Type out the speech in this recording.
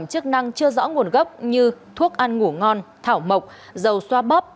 thực phẩm chức năng chưa rõ nguồn gốc như thuốc ăn ngủ ngon thảo mộc dầu xoa bóp